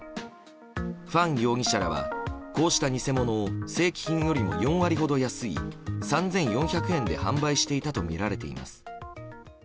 ファン容疑者らはこうした偽物を正規品よりも４割ほど安い３４００円で販売していたとみられています。